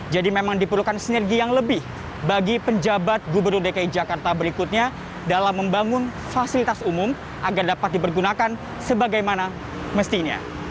jadi memang diperlukan sinergi yang lebih bagi penjabat gubernur dki jakarta berikutnya dalam membangun fasilitas umum agar dapat dipergunakan sebagaimana mestinya